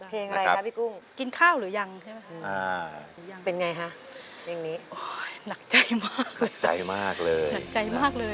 เพลงอะไรครับพี่กุ้งกินข้าวหรือยังเป็นไงฮะเพลงนี้หนักใจมากเลย